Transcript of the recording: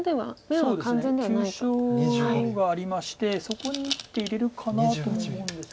そうですね急所がありましてそこに１手入れるかなとも思うんです。